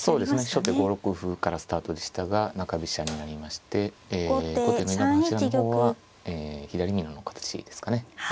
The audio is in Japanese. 初手５六歩からスタートでしたが中飛車になりまして後手の稲葉八段の方は左美濃の形ですかね。